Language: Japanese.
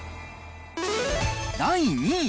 第２位。